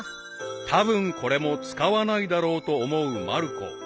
［たぶんこれも使わないだろうと思うまる子］